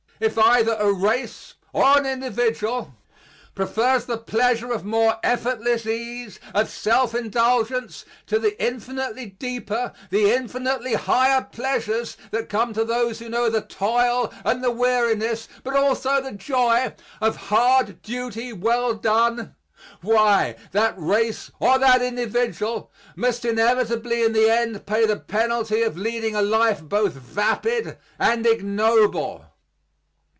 If either a race or an individual prefers the pleasure of more effortless ease, of self indulgence, to the infinitely deeper, the infinitely higher pleasures that come to those who know the toil and the weariness, but also the joy, of hard duty well done, why, that race or that individual must inevitably in the end pay the penalty of leading a life both vapid and ignoble.